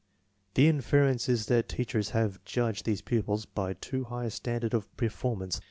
The inference is that teach ers have judged these pupils by too high a standard of performance.